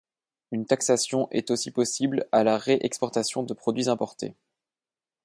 Une taxation est aussi possible à la ré-exportation de produits importés.